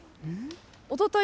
おととい